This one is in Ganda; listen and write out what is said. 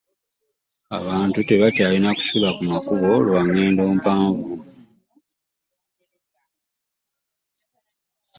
Abantu tebakyalina kusula ku makubo lwa ngendo mpanvu.